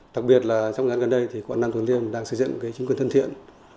đặc biệt là trong ngày hôm gần đây quận nam tử liêm đang xây dựng chính quyền thân thiện